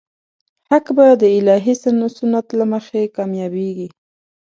حق به د الهي سنت له مخې کامیابېږي.